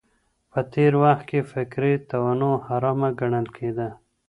په تېر وخت کي فکري تنوع حرامه ګڼل کېده.